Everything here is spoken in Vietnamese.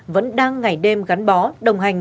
vẫn đang ngày đêm gắn bó đồng hành